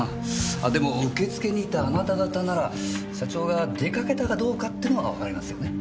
あでも受け付けにいたあなた方なら社長が出かけたかどうかってのはわかりますよね？